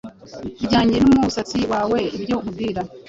bijyanye n’umusatsi wawe ibyo nkubwira